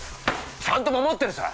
ちゃんと守ってるさ！